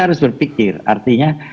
harus berpikir artinya